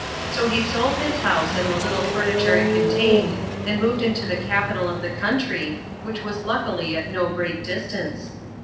So he sold his house and the little furniture it contained, and moved into the capital of the country, which was luckily at no great distance.